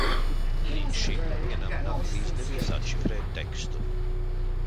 Līdz šim nevienam nav izdevies atšifrēt tekstu.